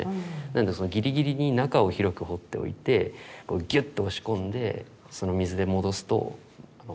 なのでギリギリに中を広く彫っておいてギュッと押し込んで水で戻すとはまる。